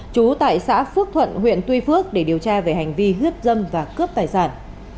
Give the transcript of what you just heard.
trú tại xã phước thuận huyện tuy phước để điều tra về hành vi hiếp dâm và cướp tài sản